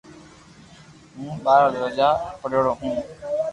ھون ٻارآ درجہ پڙھيڙو ھون